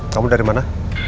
kamu dari mana